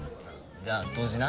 じゃあ同時な。